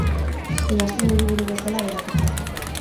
Dinastien hiriburu bezala geratuko da.